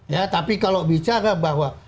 ya tapi kalau bicara bahwa